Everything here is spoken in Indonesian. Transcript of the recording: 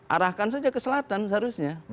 arahkan saja ke selatan seharusnya